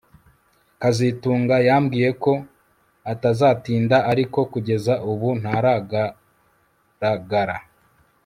kazitunga yambwiye ko atazatinda ariko kugeza ubu ntaragaragara